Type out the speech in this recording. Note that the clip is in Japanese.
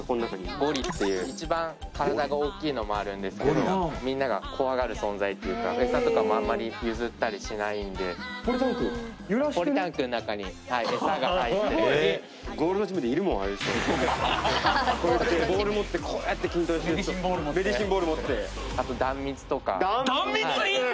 ゴリっていう一番体が大きいのもあるんですけどみんなが怖がる存在っていうかエサとかもあんまり譲ったりしないんでポリタンクん中にエサが入ってるああいう人こうやってボール持ってこうやって筋トレしてる人メディシンボール持ってあとダンミツとかダンミツいんの！？